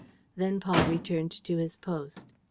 Then Paul returned to his post.